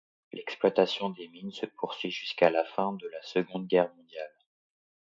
L'exploitation des mines se poursuivit jusqu'à la fin de la Seconde Guerre mondiale.